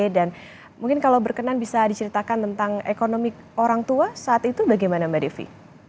dan mungkin kalau berkenan bisa diceritakan tentang ekonomi orang tua saat itu bagaimana mbak devi